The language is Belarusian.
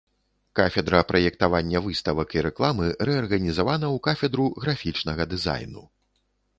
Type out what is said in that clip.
Кафедра праектавання выставак і рэкламы рэарганізавана ў кафедру графічнага дызайну.